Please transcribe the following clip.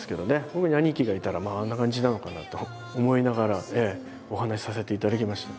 僕に兄貴がいたらあんな感じなのかなと思いながらお話しさせていただきました。